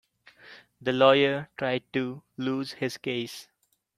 The lawyer tried to lose his case.